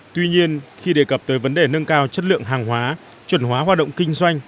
tuy nhiên khi đề cập tới vấn đề nâng cao chất lượng hàng hóa chuẩn hóa hoạt động kinh doanh